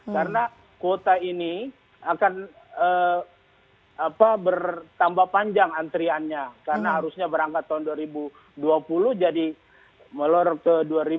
karena kuota ini akan bertambah panjang antriannya karena harusnya berangkat tahun dua ribu dua puluh jadi meluruh ke dua ribu dua puluh satu